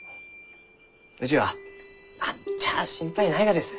うちは何ちゃあ心配ないがです。